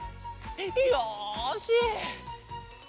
よし！